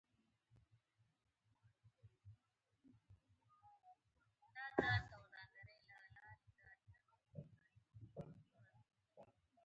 هوسۍ څه ښکالو اوري یو دم تېر یادونه ور په زړه کیږي.